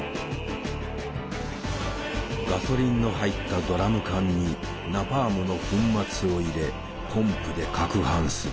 ガソリンの入ったドラム缶にナパームの粉末を入れポンプで撹拌する。